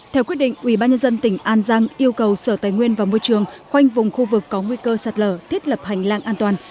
theo quyết định ubnd tỉnh an giang yêu cầu sở tài nguyên và môi trường khoanh vùng khu vực có nguy cơ sạt lở thiết lập hành lang an toàn